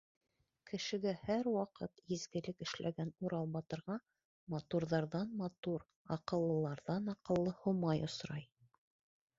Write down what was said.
Кешегә һәр ваҡыт изгелек эшләгән Урал батырға матурҙарҙан-матур, аҡыллыларҙан-аҡыллы Һомай осрай.